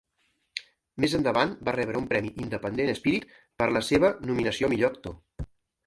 Més endavant va rebre un Premi Independent Spirit per la seva nominació a millor actor.